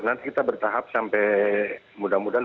nanti kita bertahap sampai mudah mudahan dua ribu tujuh belas